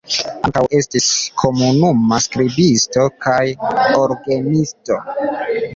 Ankaŭ estis komunuma skribisto kaj orgenisto.